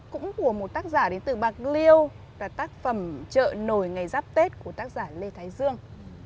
cũng của một tác giả đến từ bạc liêu là tác phẩm chợ nổi ngày giáp tết của tác giả lê thái dương